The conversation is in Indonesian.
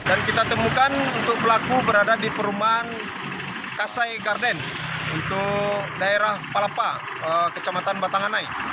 dan kita temukan untuk pelaku berada di perumahan kasai garden untuk daerah palapa kecamatan batanganai